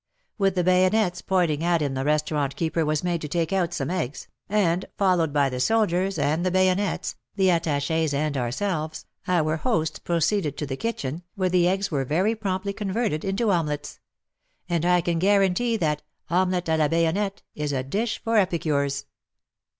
With the bayonets pointing at him the restaurant keeper was made to take out some eggs, and, followed by the soldiers and the bayonets, the attaches and ourselves, our host proceeded to the kitchen, where the eggs were very promptly converted into omelettes. And I can guarantee that '* omelette a la bayonette '' is a dish for epicures.